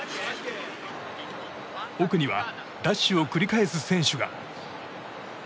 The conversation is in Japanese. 奥にはダッシュを繰り返す選手が。